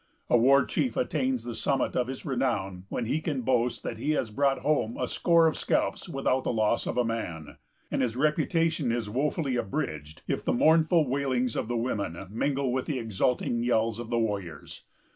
A war chief attains the summit of his renown when he can boast that he has brought home a score of scalps without the loss of a man; and his reputation is wofully abridged if the mournful wailings of the women mingle with the exulting yells of the warriors.